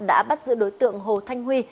đã bắt giữ đối tượng hồ thanh huy